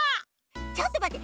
ちょっとまって！